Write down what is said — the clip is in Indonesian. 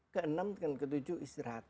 ke enam dan ke tujuh istirahat